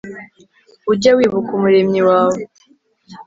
ujye wibuka umuremyi wawe